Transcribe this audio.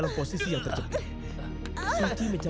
tapi pada kenyataannya